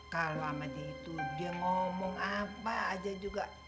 kalau sama dia itu dia ngomong apa aja juga